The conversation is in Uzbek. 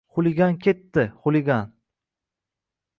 — Xuligan ketdi, xuligan!